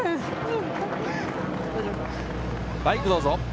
バイク、どうぞ。